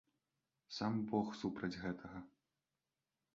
Сам бог супраць гэтага.